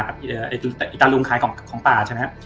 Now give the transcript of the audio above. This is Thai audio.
ที่อีทาลุงขายของป่าชั้นอก่อน